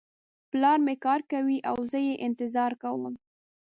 پلار مې کار کوي او زه یې انتظار کوم